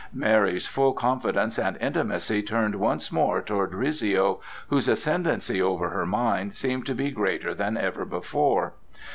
Mary's full confidence and intimacy turned once more toward Rizzio, whose ascendency over her mind seemed to be greater than ever before.